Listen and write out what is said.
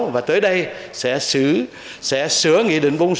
sáu và tới đây sẽ sửa nghị định bốn